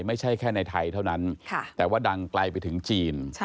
ไม่ใช่แค่ในไทยเท่านั้นแต่ว่าดังไกลไปถึงจีน